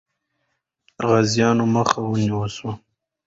د غازیانو مخه ونیسه.